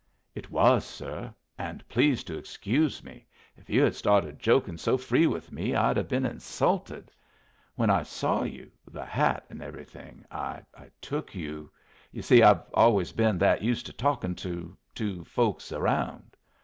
"It was, sir; and please to excuse me. If you had started joking so free with me, I'd have been insulted. When I saw you the hat and everything I took you You see I've always been that used to talking to to folks around!"